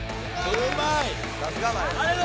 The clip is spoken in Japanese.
うまいね！